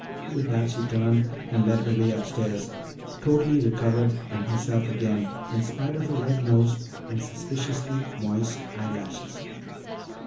With that she turned and led the way upstairs, totally recovered and herself again in spite of a red nose and suspiciously moist eyelashes.